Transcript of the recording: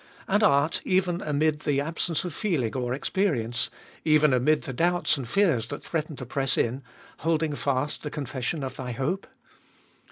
And art, even amid the absence of feeling or experience, even amid the doubts and fears that threaten to press in, holding fast the confession of thy hope